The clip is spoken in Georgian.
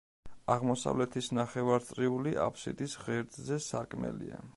აღმოსავლეთის ნახევარწრიული აფსიდის ღერძზე სარკმელია.